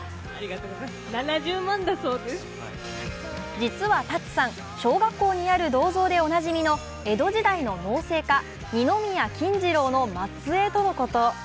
実はＴＡＴＳＵさん、小学校にある銅像でおなじみの江戸時代の農政家・二宮金次郎の末えいとのこと。